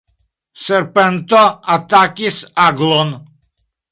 Serpento atakis aglon.